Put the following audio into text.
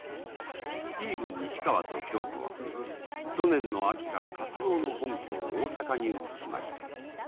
スティーブ西川と恭子は去年の秋から活動の本拠を大阪に移しました。